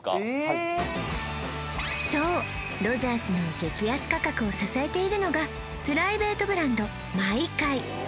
ええそうロヂャースの激安価格を支えているのがプライベートブランドｍｙｋａｉ